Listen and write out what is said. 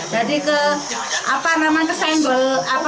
jadi ke apa namanya ke senggel